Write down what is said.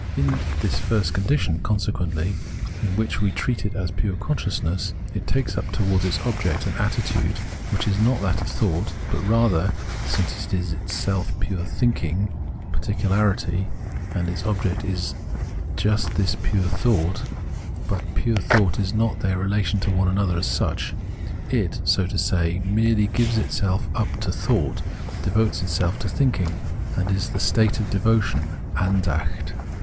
In this first condition, consequently, in which we treat it as piue consciousness, it takes up towards its object an attitude which is not that of thought ; but rather (since it is indeed in itself pure thinking particu larity and its object is just this pure thought, but pure thought is not their relation to one another as such), it, so to say, merely gives itself up to thought, devotes itself to thinking {geht an das Denken hin), and is the state of Devotion (Andacht).